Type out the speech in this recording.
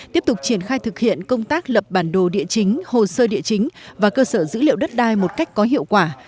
tiếp tục triển khai thực hiện công tác lập bản đồ địa chính hồ sơ địa chính và cơ sở dữ liệu đất đai một cách có hiệu quả